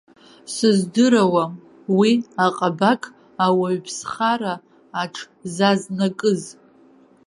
Сыздыруам уи аҟабақ ауаҩԥсхара аҽзазнакыз.